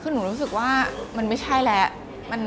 คือหนูรู้สึกว่ามันไม่ใช่แล้ว